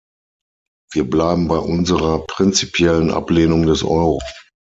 Wir bleiben bei unserer prinzipiellen Ablehnung des Euro.